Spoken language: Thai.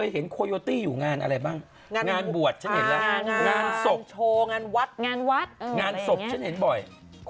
โอ้โหหล่อมาก